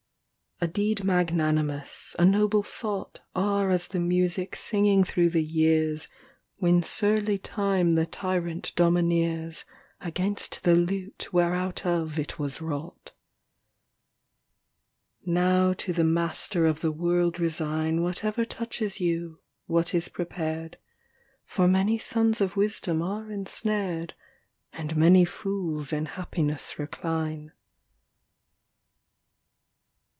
xv A deed magnanimous, a noble thought Are as the music singing throŌĆÖ the years When surly Time the tyrant domineers Against the lute whereoutof it was wrought. XVI Now to the Master of the World resign Whatever touches you, what is prepared, For many sons of wisdom are ensnared And many fools in happiness recline.